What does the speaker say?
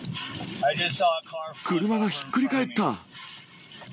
車がひっくり返った。